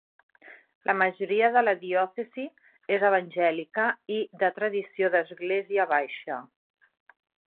La majoria de la diòcesi és evangèlica i de tradició d'església baixa.